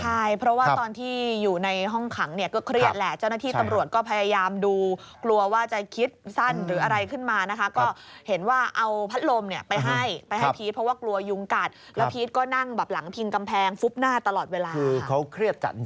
ใช่เพราะว่าตอนที่อยู่ในห้องขังก็เครียดแหละ